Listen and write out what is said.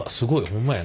ほんまや！